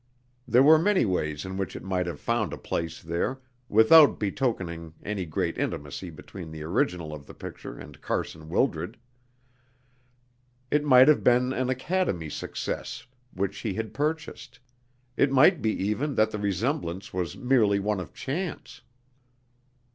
There were many ways in which it might have found a place there, without betokening any great intimacy between the original of the picture and Carson Wildred. It might have been an Academy success which he had purchased; it might be even that the resemblance was merely one of chance.